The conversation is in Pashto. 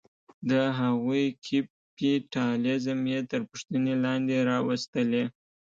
د هغوی کیپیټالیزم یې تر پوښتنې لاندې راوستلې.